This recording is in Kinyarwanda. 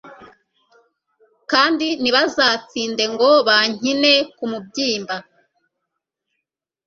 kandi ntibazatsinde ngo bankine ku mubyimba